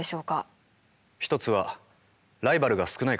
一つはライバルが少ないからです。